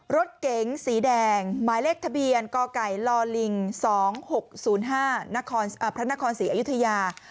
รถเก๋งสีแดงหมายเลขทะเบียนกไก่ลิง๒๖๐๕พระนครศรีอยุธยา